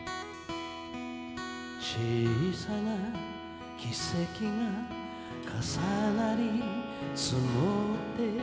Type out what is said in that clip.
「小さな奇跡が重なり積もって」